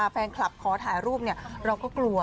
แฟนคลับขอถ่ายรูปเราก็กลัว